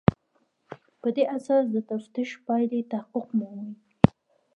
په دې اساس د تفتیش پایلې تحقق مومي.